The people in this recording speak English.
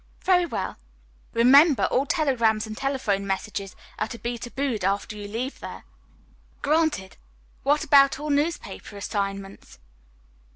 "Very well. Remember, all telegrams and telephone messages are to be tabooed after you leave there." "Granted. What about all newspaper assignments?"